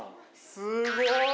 すごい。